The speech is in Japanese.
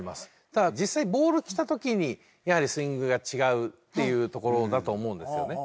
ただ実際にボールがきた時にやはりスイングが違うというところだと思うんですよね。